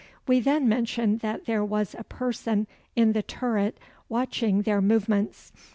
We then mentioned that there was a person in the turret watching their movements.